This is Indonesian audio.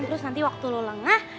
terus nanti waktu lo lengah